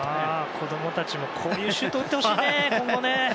子供たちも、こういうシュート打ってほしいね今後ね。